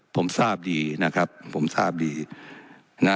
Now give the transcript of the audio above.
ผมทราบดีนะครับผมทราบดีนะ